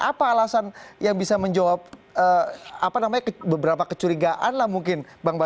apa alasan yang bisa menjawab beberapa kecurigaan lah mungkin